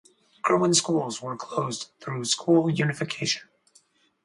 Kirwin schools were closed through school unification.